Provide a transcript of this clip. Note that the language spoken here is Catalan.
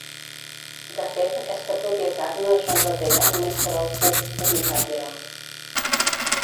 De fet aquesta propietat no és verdadera només per al cub unitat groc.